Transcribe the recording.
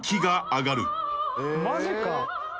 マジか。